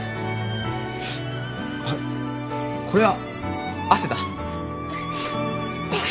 あっこれは汗だ汗。